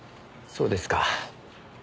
そうですか。